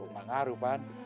gak ngaruh pak